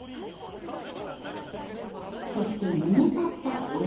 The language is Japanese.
そして煮え立ったお湯。